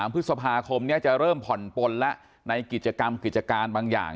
พฤษภาคมนี้จะเริ่มผ่อนปนแล้วในกิจกรรมกิจการบางอย่าง